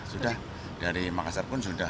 sudah dari makassar pun sudah